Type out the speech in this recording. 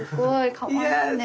かわいいね。